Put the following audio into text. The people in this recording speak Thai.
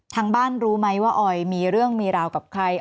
ทางบ้านรู้ไหมว่าออยมีเรื่องมีราวกับใคร